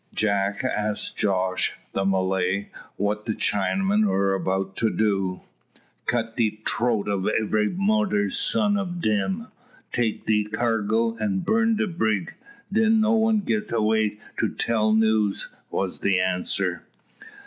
Jack asked Jos, the Malay, what the Chinamen were about to do. "Cut de troat of ebery moder's son of dem, take de cargo, and burn de brig, den no one get away to tell news," was the answer.